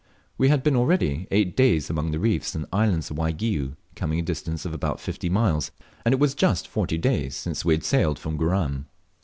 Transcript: We had been already eight days among the reefs and islands of Waigiou, coming a distance of about fifty miles, and it was just forty days since we had sailed from Goram.